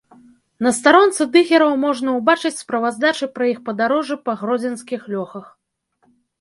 На старонцы дыгераў можна ўбачыць справаздачы пра іх падарожжы па гродзенскіх лёхах.